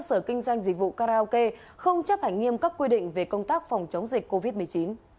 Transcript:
sở kinh doanh dịch vụ karaoke không chấp hành nghiêm các quy định về công tác phòng chống dịch covid một mươi chín